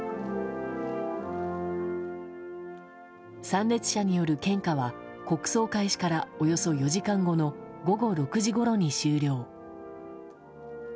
参列者による献花は国葬開始からおよそ４時間後の午後６時ごろに終了。